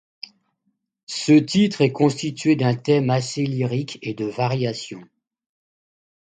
Ce titre est constitué d'un thème assez lyrique et de variations.